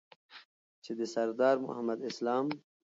چې د سردار محمد اسلام